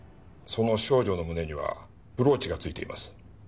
その少女の胸にはブローチがついています。